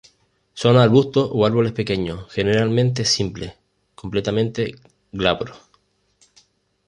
Son arbustos o árboles pequeños, generalmente simples, completamente glabros.